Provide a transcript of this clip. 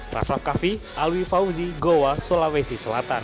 rafa kaffi alwi fauzi goa sulawesi selatan